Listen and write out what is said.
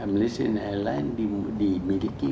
malaysia airlines dimiliki